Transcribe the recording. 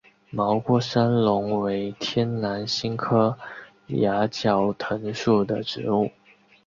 毛过山龙为天南星科崖角藤属的植物。